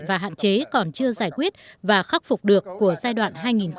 và hạn chế còn chưa giải quyết và khắc phục được của giai đoạn hai nghìn một mươi một hai nghìn một mươi năm